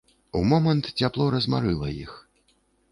У момант цяпло размарыла іх.